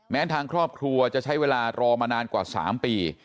ทางครอบครัวจะใช้เวลารอมานานกว่า๓ปี